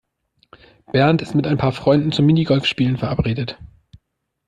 Bernd ist mit ein paar Freunden zum Minigolfspielen verabredet.